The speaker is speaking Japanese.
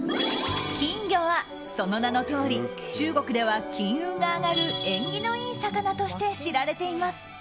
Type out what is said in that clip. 金魚は、その名のとおり中国では金運が上がる縁起のいい魚として知られています。